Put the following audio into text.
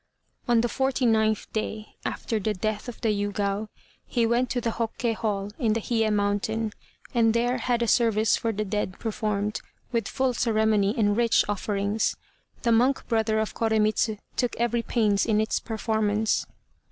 On the forty ninth day (after the death of the Yûgao) he went to the Hokke Hall in the Hiye mountain, and there had a service for the dead performed, with full ceremony and rich offerings. The monk brother of Koremitz took every pains in its performance.